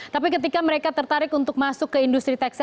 tapi ketika mereka tertarik untuk masuk ke industri tekstil